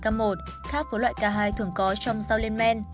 khác với loại k hai thường có trong rau lên men